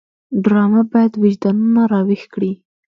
ډرامه باید وجدانونه راویښ کړي